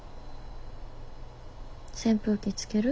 扇風機つける？